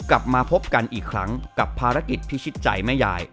กลับมาพบกันอีกครั้งกับภารกิจพิชิตใจแม่ยาย